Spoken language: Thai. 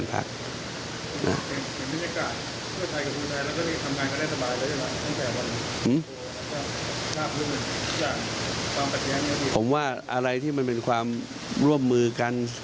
ผมว่าอะไรที่มันเป็นความร่วมมือกัน